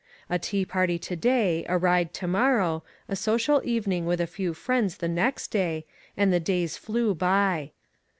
A tea party to day, a ride to morrow, a social evening with a few friends the next day, and the days flew by.